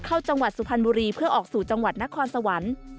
เข้าจังหวัดสุพรรณบุรีเพื่อออกสู่จังหวัดนครสวรรค์